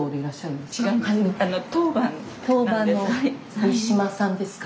当番の三島さんですか。